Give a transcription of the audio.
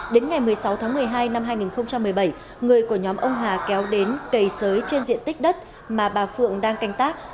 đến ngày một mươi sáu tháng một mươi hai năm hai nghìn một mươi bảy người của nhóm ông hà kéo đến cầy sới trên diện tích đất mà bà phượng đang canh tác